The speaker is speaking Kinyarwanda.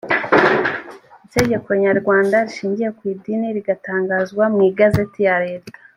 itegeko nyarwanda rishingiye ku idini rigatangazwa mu igazeti ya leta